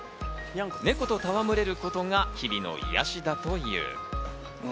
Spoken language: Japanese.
猫と戯れることが日々の癒やしだという。